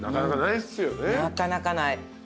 なかなかない。